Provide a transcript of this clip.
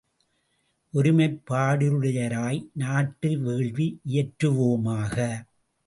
ஒருமைப்பாடுடையராய் நாட்டு வேள்வி இயற்றுவோமாக!